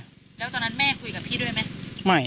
แล้วตอนนั้นแม่คุยกับพี่ด้วยไหม